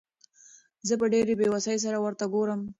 زه په ډېرې بېوسۍ سره ورته ګورم.